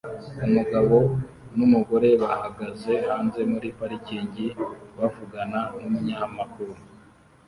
Umugabo numugore bahagaze hanze muri parikingi bavugana numunyamakuru